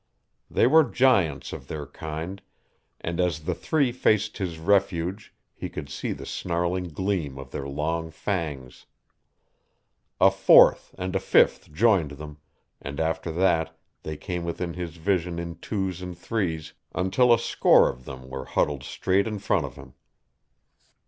They were giants of their kind, and as the three faced his refuge he could see the snarling gleam of their long fangs. A fourth and a fifth joined them, and after that they came within his vision in twos and threes until a score of them were huddled straight in front of him.